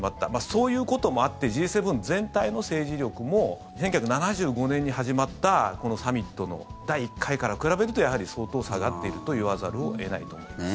そういうこともあってＧ７全体の政治力も１９７５年に始まったこのサミットの第１回から比べるとやはり相当下がっていると言わざるを得ないと思います。